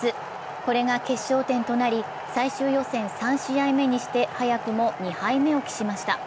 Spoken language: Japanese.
これが決勝点となり最終予選３試合目にして早くも２敗目を喫しました。